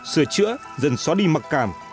sửa chữa dần xóa đi mặc cảm